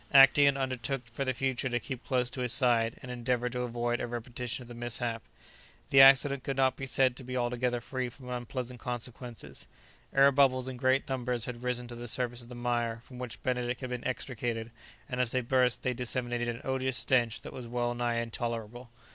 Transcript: Actæon undertook for the future to keep close to his side, and endeavour to avoid a repetition of the mishap. The accident could not be said to be altogether free from unpleasant consequences. Air bubbles in great numbers had risen to the surface of the mire from which Benedict had been extricated, and as they burst they disseminated an odious stench that was well nigh intolerable.